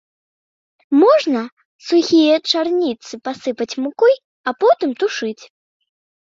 Можна сухія чарніцы пасыпаць мукой, а потым тушыць.